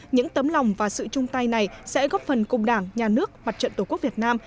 những tấm lòng và sự chung tay này sẽ góp phần cùng đảng nhà nước mặt trận tổ quốc việt nam